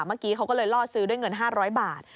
เมื่อกี้เขาก็เลยล่อซื้อด้วยเงิน๕๐๐บาท